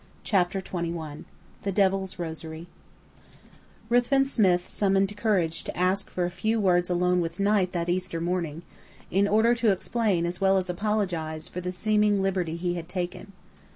CHAPTER XXI THE DEVIL'S ROSARY Ruthven Smith summoned courage to ask for a few words alone with Knight that Easter morning, in order to explain as well as apologize for the "seeming liberty he had taken."